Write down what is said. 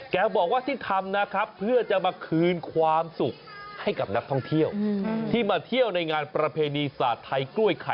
แกบอกว่าที่ทำนะครับเพื่อจะมาคืนความสุขให้กับนักท่องเที่ยว